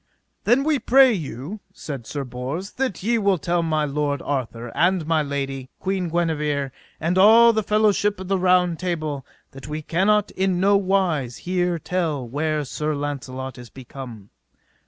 Then we pray you, said Sir Bors, that ye will tell my lord Arthur, and my lady, Queen Guenever, and all the fellowship of the Round Table, that we cannot in no wise hear tell where Sir Launcelot is become.